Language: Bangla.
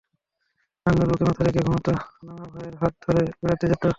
নানুর বুকে মাথা রেখে ঘুমাত, নানা ভাইয়ার হাত ধরে বেড়াতে যেত।